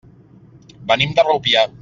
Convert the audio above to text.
Venim de Rupià.